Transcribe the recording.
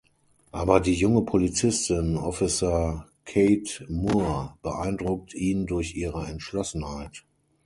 Aber die junge Polizistin Officer Kate Moore beeindruckt ihn durch ihre Entschlossenheit.